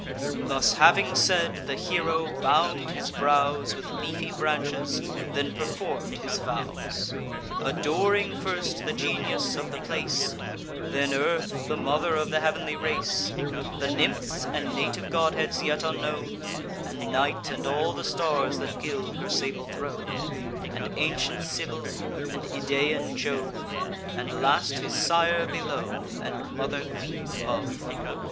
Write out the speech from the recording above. Thus having said, the hero bound his brows With leafy branches, then perform'd his vows; Adoring first the genius of the place, Then Earth, the mother of the heav'nly race, The nymphs, and native godheads yet unknown, And Night, and all the stars that gild her sable throne, And ancient Cybel, and Idaean Jove, And last his sire below, and mother queen above.